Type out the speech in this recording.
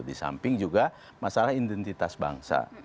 di samping juga masalah identitas bangsa